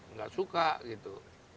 nggak suka gitu